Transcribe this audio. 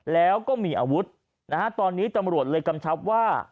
แล้วก็มีอาวุธนะฮะตอนนี้ตำรวจเลยกำชับว่า